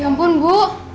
ya ampun bu